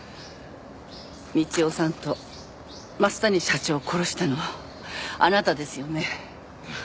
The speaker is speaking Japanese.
道夫さんと増谷社長を殺したのはあなたですよね？